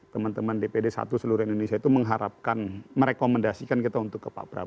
teman teman dpd satu seluruh indonesia itu mengharapkan merekomendasikan kita untuk ke pak prabowo